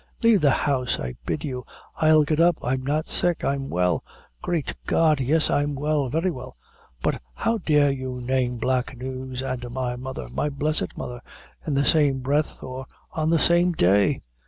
Lave the house, I bid you. I'll get up I'm not sick I'm well. Great God! yes, I'm well very well; but how dare you name black news an' my mother my blessed mother in the same breath, or on the same day?"